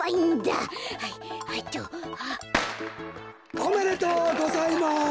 おめでとうございます！